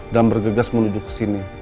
dan bergegas menuju ke sini